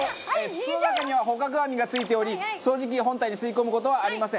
筒の中には捕獲網がついており掃除機本体に吸い込む事はありません。